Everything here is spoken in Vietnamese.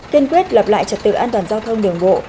kiên quyết lập lại trật tự an toàn giao thông đường bộ